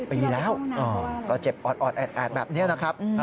ปีแล้วก็เจ็บออดแอดแบบนี้นะครับ